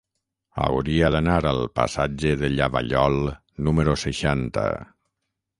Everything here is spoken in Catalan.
Hauria d'anar al passatge de Llavallol número seixanta.